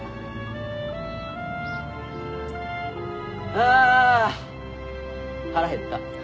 あ腹減った。